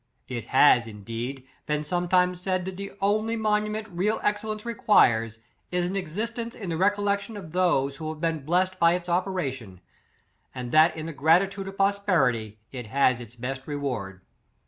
It has, indeed, been sometimes said that the only monument real excellence requires, is an existence in the recollec tion of those who have been blessed by its operation: and that in the gratitude of posterity, it has its best reward.